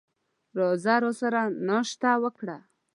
راځه راسره ناشته وکړه !